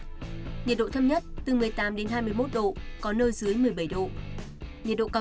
nhiệt độ thâm nhất từ một mươi tám hai mươi một độ có nơi dưới một mươi bảy độ